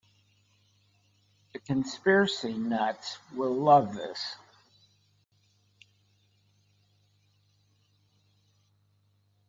The conspiracy nuts will love this.